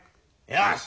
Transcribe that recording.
よし。